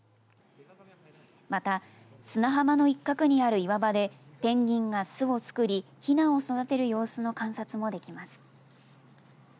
また、砂浜の一角にある岩場でペンギンが巣を作りひなを育てる様子の観察もできます。